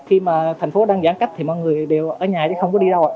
khi mà thành phố đang giãn cách thì mọi người đều ở nhà chứ không có đi đâu ạ